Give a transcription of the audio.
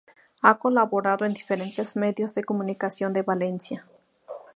Ha colaborado en diferentes medios de comunicación de Valencia.